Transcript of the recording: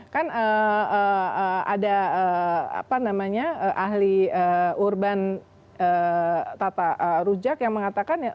kan ada ahli urban tata rujak yang mengatakan